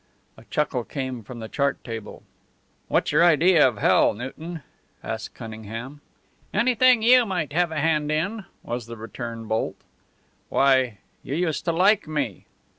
A chuckle came from the chart table. "What's your idea of hell, Newton?" asked Cunningham. "Anything you might have a hand in," was the return bolt. "Why, you used to like me!"